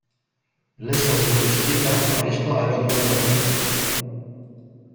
Lezo Urreiztieta Parisko aerodromo batean.